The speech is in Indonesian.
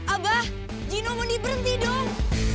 abah gino mau diberhenti dong